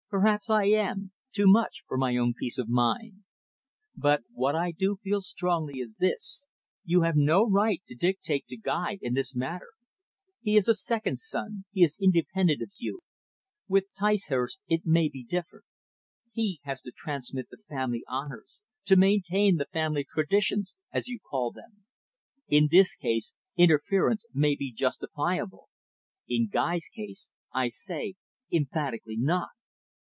"Perhaps I am, too much for my own peace of mind. But, what I do feel strongly is this you have no right to dictate to Guy in this matter. He is a second son, he is independent of you. With Ticehurst, it may be different. He has to transmit the family honours, to maintain the family traditions as you call them. In his case, interference may be justifiable. In Guy's case, I say emphatically not."